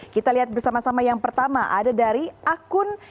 kita lihat bersama sama yang pertama ada dari akun